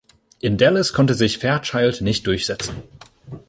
In Dallas konnte sich Fairchild nicht durchsetzen.